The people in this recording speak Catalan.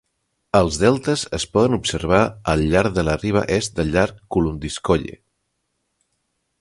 Els deltes es poden observar al llard de la riba est del llac Kulundinskoye.